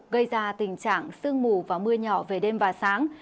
gây ra tình trạng sương mù và mưa nhỏ về đêm và sáng